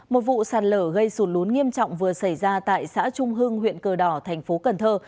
một vụ sàn lở gây sụn lún nghiêm trọng vừa xảy ra tại xã trung hương huyện cờ đỏ thành phố cần thơ